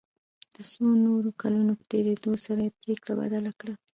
د څو نورو کلونو په تېرېدو سره یې پريکړه بدله کړه.